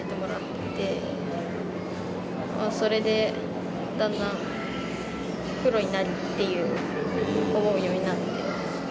それでだんだんっていう思うようになって。